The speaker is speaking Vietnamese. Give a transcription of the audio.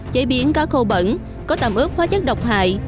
chế biến cá khô bẩn có tạm ướp hóa chất độc hại